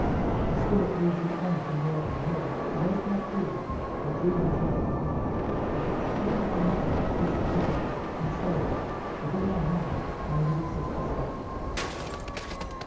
D. Your spirit leads me on through moor and hill To these quiet fields where dreamy children play ; Keep me from loving, blessed child, and stay Within my heart, my little sister still